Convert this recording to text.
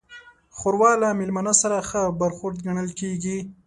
ښوروا له میلمانه سره ښه برخورد ګڼل کېږي.